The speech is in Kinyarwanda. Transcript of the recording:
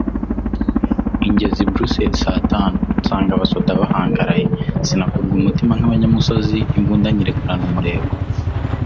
ingeza i Bruseli sa tanu, nsanga abasoda bahangaraye, sinakurwa umutima nk'abanyamusozi, imbunda nyirekurana umurego.